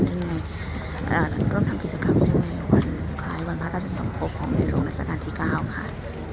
ที่ร่วมทำภิกษากรรมด้วยวันพระราชสมภพของในโรงลักษณะที่๙ค่ะ